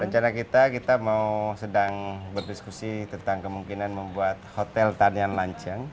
rencana kita kita mau sedang berdiskusi tentang kemungkinan membuat hotel tanian lanceng